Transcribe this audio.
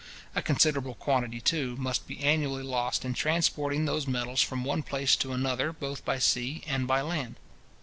A considerable quantity, too, must be annually lost in transporting those metals from one place to another both by sea and by land.